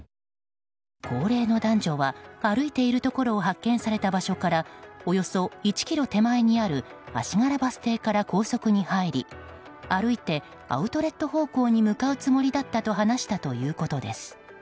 高齢の男女は歩いているところを発見された場所からおよそ１ｋｍ手前にある足柄バス停から高速に入り歩いてアウトレット方向に向かうつもりだったと話したということです。